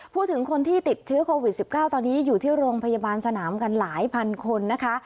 พูดถึงคนที่ติดเชื้อโควิด๑๙ตอนนี้อยู่ที่โรงพยาบาลสนามกันหลายพันคนนะคะ